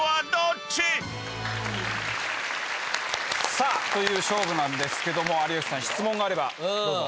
さあという勝負なんですけども有吉さん質問があればどうぞ。